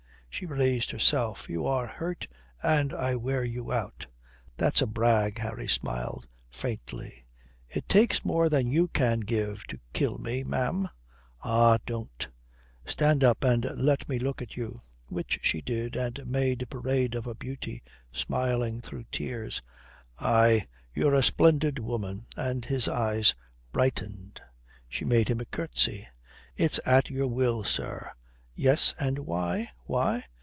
She raised herself. "You are hurt, and I wear you out." "That's a brag." Harry smiled faintly, "It takes more than you can give to kill me, ma'am." "Ah, don't." "Stand up and let me look at you." Which she did, and made parade of her beauty, smiling through tears. "Aye, you're a splendid woman," and his eyes brightened. She made him a curtsy. "It's at your will, sir." "Yes, and why? Why?